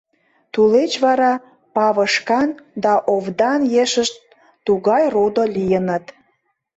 Тулеч вара павышкан да овдан ешышт тугай родо лийыныт.